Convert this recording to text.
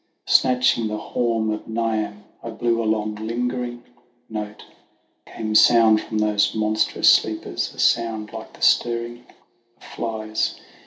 Snatching the horn of Niamh, I blew a lingering note ; Came sound from those monstrous sleepers, a sound like the stirring of flies.